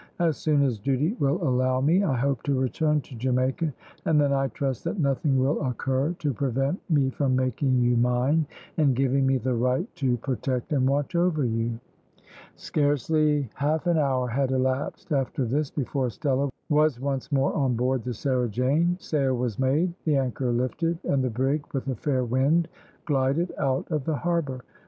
"As soon as duty will allow me I hope to return to Jamaica, and then I trust that nothing will occur to prevent me from making you mine, and giving me the right to protect and watch over you." Scarcely half an hour had elapsed after this before Stella was once more on board the Sarah Jane. Sail was made, the anchor lifted, and the brig with a fair wind glided out of the harbour.